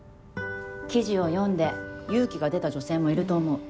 記事を読んで勇気が出た女性もいると思う。